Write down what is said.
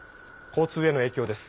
交通への影響です。